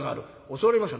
教わりました？